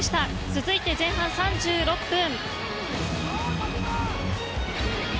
続いて、前半３６分。